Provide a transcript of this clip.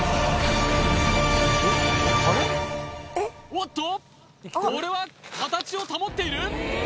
おっとこれは形を保っている？